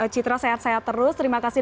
citra sehat sehat terus terima kasih